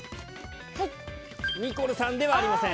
ニコルさんではありません。